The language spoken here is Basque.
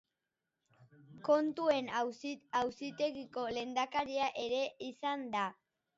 Kontuen Auzitegiko lehendakaria ere izan da.